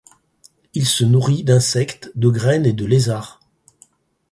Il se nourrit d'insectes, de graines et de lézards.